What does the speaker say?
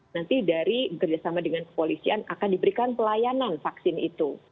nanti dari bekerjasama dengan kepolisian akan diberikan pelayanan vaksin itu